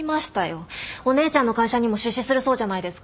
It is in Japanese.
お姉ちゃんの会社にも出資するそうじゃないですか。